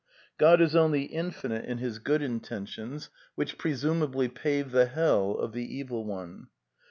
God is only infinite in His good intentions, which presumably pave the hell of the Evil One.